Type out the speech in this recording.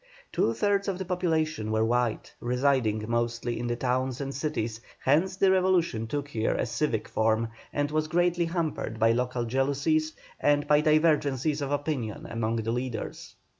Two thirds of the population were white, residing mostly in the towns and cities, hence the revolution took here a civic form, and was greatly hampered by local jealousies and by divergencies of opinion among the leaders.